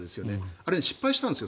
あれね失敗したんですよ